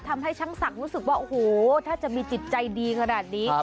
ทำให้ช่างศักดิ์รู้สึกว่าโอ้โหถ้าจะมีจิตใจดีขนาดนี้